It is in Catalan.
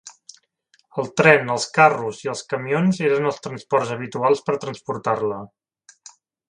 El tren, els carros i els camions eren els transports habituals per transportar-la.